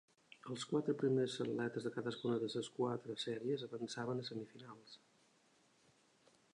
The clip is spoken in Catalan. Els quatre primers atletes de cadascuna de les quatre sèries avançaven a semifinals.